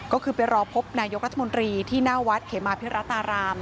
ก็คือไปรอพบนายกรัฐมนตรีที่หน้าวัดเขมาพิรัตราราม